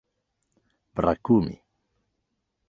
brakumi